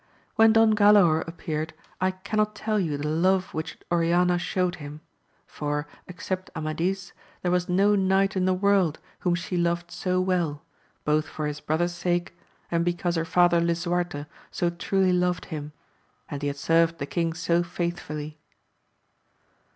When Don Galaor appeared, I cannot tell you the love which Oriana showed him ; for, except Ama dis, there was no knight in the world whom she loved so well, both for his brother's sake, and because her father Lisuarte so truly loved him, and he had served the king so faithfully.